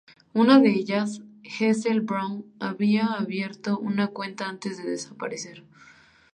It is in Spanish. Una de ellas, Hazel Brown, había abierto una cuenta antes de desaparecer.